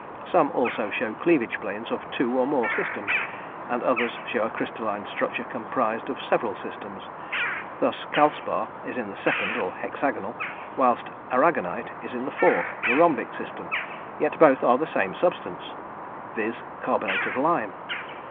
Some also show cleavage planes of two or more systems, and others show a crystalline structure comprised of several systems. Thus calcspar is in the 2nd, or hexagonal, whilst aragonite is in the 4th, the rhombic, system, yet both are the same substance, viz.: carbonate of lime.